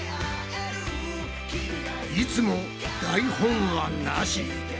いつも台本はなし！